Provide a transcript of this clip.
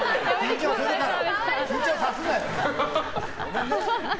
緊張さすなよ！